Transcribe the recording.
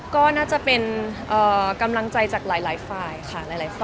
ก็น่าจะเป็นกำลังใจจากหลายฝ่ายค่ะ